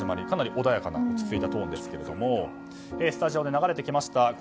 かなり穏やかな落ち着いたトーンですがスタジオで流れてきました